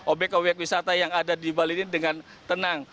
obyek obyek wisata yang ada di bali ini dengan tenang